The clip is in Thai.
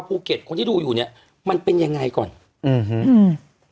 โบสถ์จัดการกับโภเกตคนที่ดูอยู่เนี้ยมันเป็นยังไงก่อนอื้อฮืออ